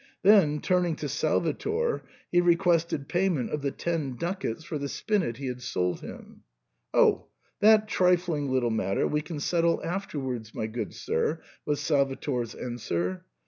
Then, turning to Salvator, he requested payment of the ten ducats for the spinet he had sold him. " Oh ! that trifling little matter we can settle after wards, my good sir," was Salvator's answer.